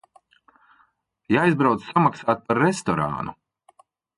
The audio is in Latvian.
Jāaizbrauc samaksāt par restorānu.